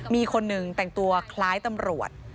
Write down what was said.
มีคนหนึ่งแต่งตัวคล้ายตำรวจ